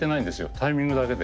タイミングだけで。